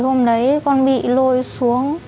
hôm đấy con bị lôi xuống